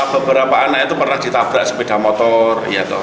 beberapa anak itu pernah ditabrak sepeda motor